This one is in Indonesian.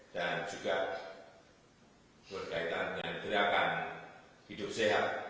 dan juga berkaitan dengan gerakan hidup sehat